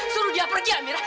suruh dia pergi amira